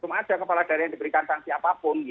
belum ada kepala daerah yang diberikan sanksi apapun